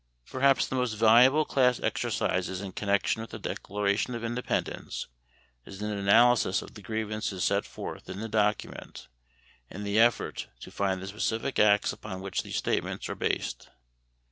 Perhaps the most valuable class exercises in connection with the Declaration of Independence is an analysis of the grievances set forth in the document and the effort to find the specific acts upon which these statements are based.